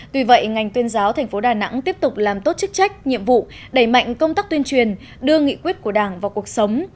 tuy vậy ngành tuyên giáo thành phố đà nẵng tiếp tục làm tốt chức trách nhiệm vụ đẩy mạnh công tác tuyên truyền đưa nghị quyết của đảng vào cuộc sống